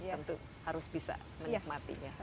tentu harus bisa menikmatinya